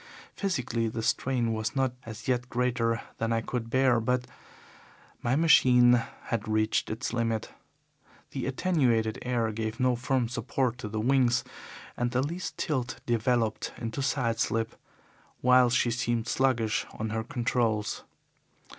Physically, the strain was not as yet greater than I could bear but my machine had reached its limit. The attenuated air gave no firm support to the wings, and the least tilt developed into side slip, while she seemed sluggish on her controls.